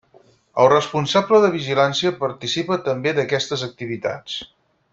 El responsable de vigilància participa també d'aquestes activitats.